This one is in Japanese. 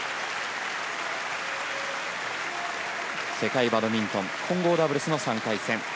世界バドミントン混合ダブルスの３回戦。